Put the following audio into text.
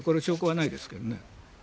証拠はないですけどね。